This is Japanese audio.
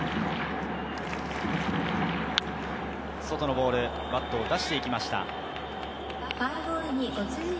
外のボール、バットを出していきました。